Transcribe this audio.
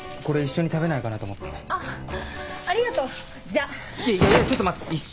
これ一緒に食べないかなと思って。